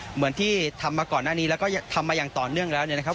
เหมือนที่ทำมาก่อนหน้านี้แล้วก็ทำมาอย่างต่อเนื่องแล้ว